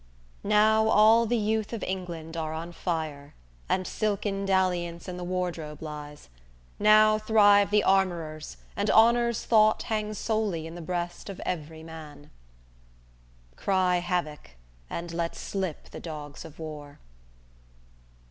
_"Now all the youth of England are on fire And silken dalliance in the wardrobe lies; Now thrive the armorers, and honor's thought Hangs solely in the breast of every man._ _Cry 'Havoc,' and let slip the dogs of war!"